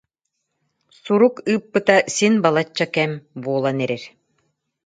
Сурук ыыппыта син балачча кэм буолан эрэр